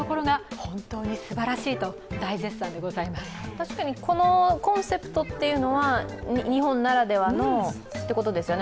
確かにこのコンセプトというのは日本ならではのということですよね。